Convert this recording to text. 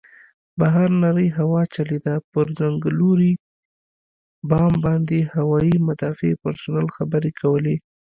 بهر نرۍ هوا چلېده، پر څنګلوري بام باندې هوايي مدافع پرسونل خبرې کولې.